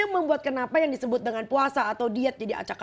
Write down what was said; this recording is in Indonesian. nah itu membuat kenapa yang disebut dengan puasa atau diet jadi acak akar